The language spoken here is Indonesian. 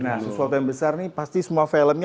nah sesuatu yang besar nih pasti semua filmnya